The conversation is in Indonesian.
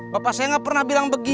bapak saya gak pernah bilang begitu ah